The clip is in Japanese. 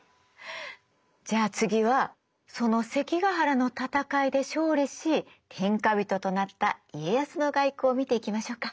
じゃあ次はその関ヶ原の戦いで勝利し天下人となった家康の外交を見ていきましょうか。